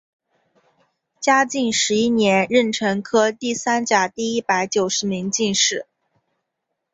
嘉靖十一年壬辰科第三甲第一百九十名进士。